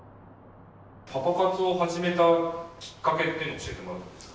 パパ活を始めたきっかけっていうのを教えてもらっていいですか。